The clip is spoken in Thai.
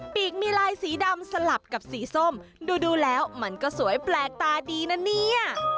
ปีกมีลายสีดำสลับกับสีส้มดูดูแล้วมันก็สวยแปลกตาดีนะเนี่ย